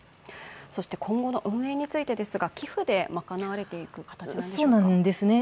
そして、今後の運営についてですが寄付で賄われていくという形でしょうか？